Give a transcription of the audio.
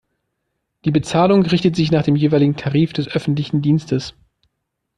Die Bezahlung richtet sich nach dem jeweiligen Tarif des öffentlichen Dienstes.